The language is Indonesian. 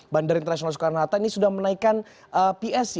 bandara internasional soekarno hatta ini sudah menaikan psi